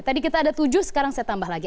tadi kita ada tujuh sekarang saya tambah lagi